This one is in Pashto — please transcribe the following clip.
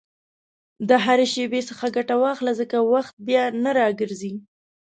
د هرې شېبې څخه ګټه واخله، ځکه وخت بیا نه راګرځي.